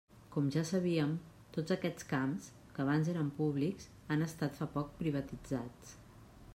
Com ja sabíem, tots aquests camps, que abans eren públics, han estat fa poc privatitzats.